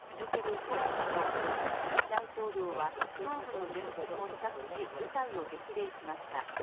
ウクライナのゼレンスキー大統領は、東部の前線を視察し、部隊を激励しました。